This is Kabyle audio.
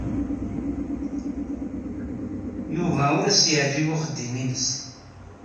Yuba ur as-yeɛjib uxeddim-nnes.